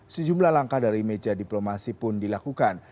sejumlah langkah dari meja diplomasi pun dilakukan